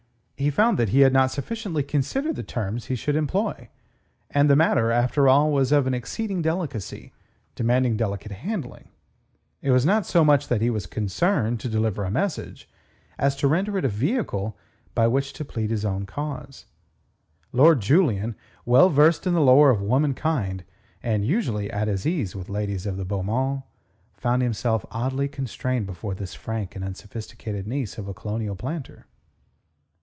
He found that he had not sufficiently considered the terms he should employ, and the matter, after all, was of an exceeding delicacy, demanding delicate handling. It was not so much that he was concerned to deliver a message as to render it a vehicle by which to plead his own cause. Lord Julian, well versed in the lore of womankind and usually at his ease with ladies of the beau monde, found himself oddly constrained before this frank and unsophisticated niece of a colonial planter.